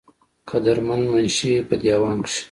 قدر مند منشي پۀ دېوان کښې